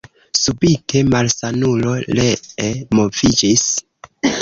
Subite la malsanulo ree moviĝis.